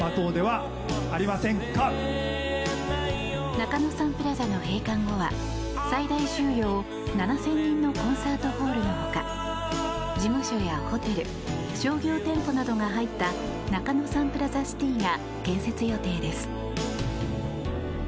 中野サンプラザの閉館後は最大収容７０００人のコンサートホールのほか事務所やホテル商業店舗などが入ったＮＡＫＡＮＯサンプラザシティが建設予定です。